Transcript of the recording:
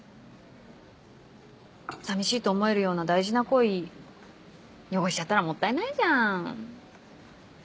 寂しいと思えるような大事な恋汚しちゃったらもったいないじゃん。